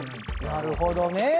なるほどね。